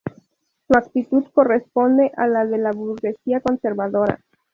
Su actitud corresponde a la de la burguesía conservadora.